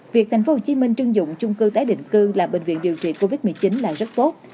việc tp hcm trưng dụng chung cư tái định cư là bệnh viện điều trị covid một mươi chín là rất tốt